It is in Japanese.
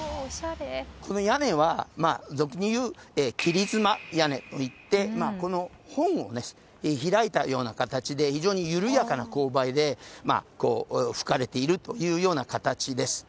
この屋根は俗に言う切妻屋根といって本を開いたような形で非常に緩やかな勾配でふかれているというような形です。